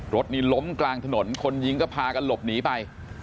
รถนี้ล้มกลางถนนคนยิงก็พากันหลบหนีไป